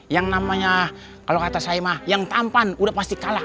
yang namanya kalau kata saimah yang tampan udah pasti kalah